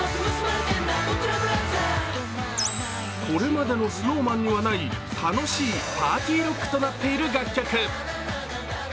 これまでのＳｎｏｗＭａｎにはない楽しいパーティーロックとなっている楽曲。